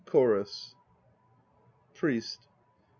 CHORUS. PRIEST.